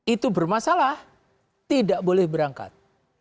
itu bermasalah tidak boleh berangkat